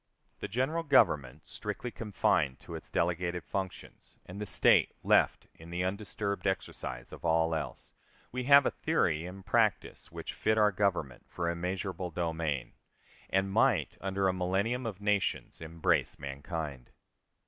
The General Government, strictly confined to its delegated functions, and the State left in the undisturbed exercise of all else, we have a theory and practice which fit our Government for immeasurable domain, and might, under a millennium of nations, embrace mankind.